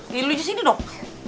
sampai lu disini dong